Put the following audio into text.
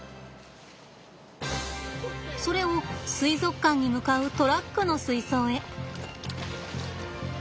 それを水族館に向かうトラックの水槽へ。